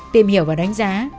tìm hiểu và đánh giá